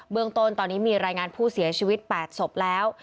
เมืองต้นตอนนี้มีรายงานผู้เสียชีวิต๘ศพแล้ว